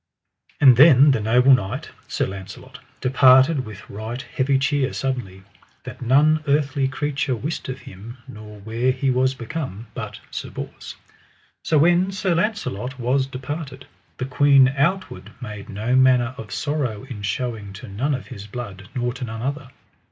And then the noble knight, Sir Launcelot, departed with right heavy cheer suddenly, that none earthly creature wist of him, nor where he was become, but Sir Bors. So when Sir Launcelot was departed, the queen outward made no manner of sorrow in showing to none of his blood nor to none other.